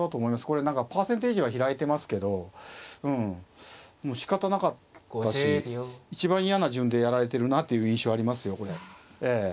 これ何かパーセンテージは開いてますけどうんもうしかたなかったし一番嫌な順でやられてるなという印象ありますよこれ。